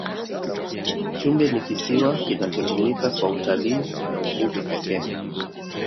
chumbe ni kisiwa kinachotumika kwa utalii na uvuvi pekee